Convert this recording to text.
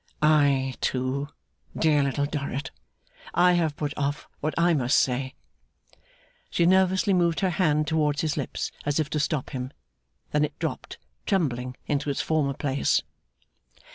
'I too, dear Little Dorrit. I have put off what I must say.' She nervously moved her hand towards his lips as if to stop him; then it dropped, trembling, into its former place.